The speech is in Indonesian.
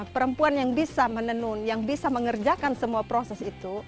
perempuan yang bisa menenun yang bisa mengerjakan semua proses itu